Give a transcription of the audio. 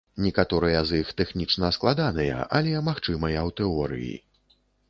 Некаторыя з іх тэхнічна складаныя, але магчымыя ў тэорыі.